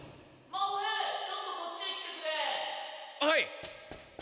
はい。